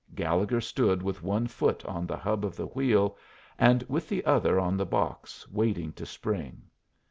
Gallegher stood with one foot on the hub of the wheel and with the other on the box waiting to spring.